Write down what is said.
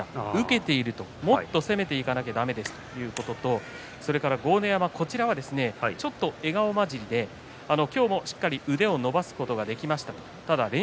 受けているもっと攻めていかなければだめですということと豪ノ山はちょっと笑顔混じりで今日もしっかり腕を伸ばすことができました。